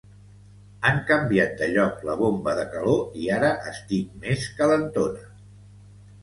Han canviat de lloc la bomba de calor i ara estic més calentona